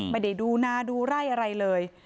ไม่ได้ดูนาดูไร่อะไรเลย